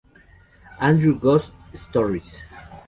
Andrew Ghost Stories.